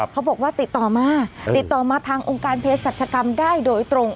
เขาบอกว่าติดต่อมาติดต่อมาทางองค์การเพศรัชกรรมได้โดยตรง